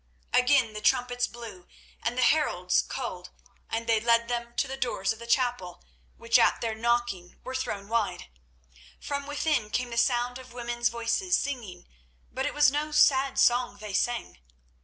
Again the trumpets blew and the heralds called, and they led them to the doors of the chapel, which at their knocking were thrown wide. From within came the sound of women's voices singing, but it was no sad song they sang.